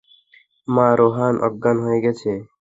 মা, রোহান অজ্ঞান হয়ে গেছে।